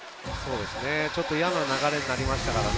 ちょっと嫌な流れになりましたからね。